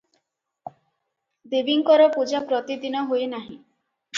ଦେବୀଙ୍କର ପୂଜା ପ୍ରତିଦିନ ହୁଏ ନାହିଁ ।